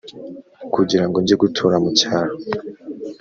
kugira ngo njye gutura mu cyaro